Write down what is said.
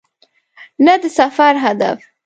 نه د سفر هدف .